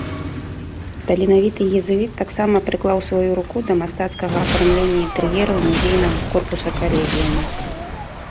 Таленавіты езуіт таксама прыклаў сваю руку да мастацкага афармлення інтэр'ераў музейнага корпуса калегіума.